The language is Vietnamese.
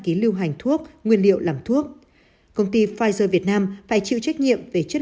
ký lưu hành thuốc nguyên liệu làm thuốc công ty pfizer việt nam phải chịu trách nhiệm về chất